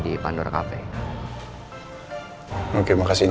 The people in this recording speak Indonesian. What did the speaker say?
dia bukan pelaku yang berpikir